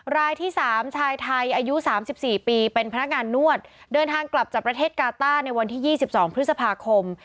รายที่๓ชายไทยอายุ๓๔ปีเป็นพนักงานนวดเดินทางกลับจากประเทศกาต้าในวันที่๒๒พฤษภาคม